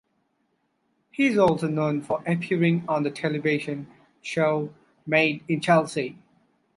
He is also known for appearing on the television show "Made in Chelsea".